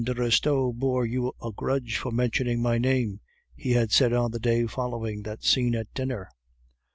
de Restaud bore you a grudge for mentioning my name?" he had said on the day following that scene at dinner.